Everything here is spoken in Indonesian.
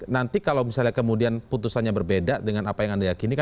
nanti kalau misalnya kemudian putusannya berbeda dengan apa yang anda yakini